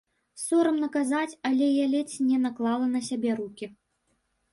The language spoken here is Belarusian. Сорамна казаць, але я ледзь не наклала на сябе рукі.